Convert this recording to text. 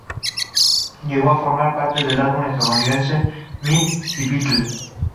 Llegó a formar parte del álbum estadounidense "Meet the Beatles!".